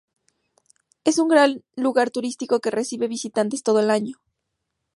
Es un gran lugar turístico que recibe visitantes todo el año.